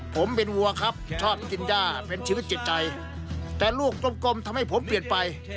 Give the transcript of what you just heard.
ผมเป็นวัวครับชอบกินย่าเป็นชีวิตจิตใจแต่ลูกกลมทำให้ผมเปลี่ยนไป